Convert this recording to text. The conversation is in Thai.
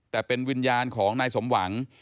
แต่เป็นวิญญาณของนายสมหวัง